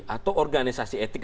atau organisasi etik